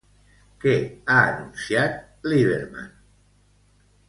Què ha anunciat Lieberman?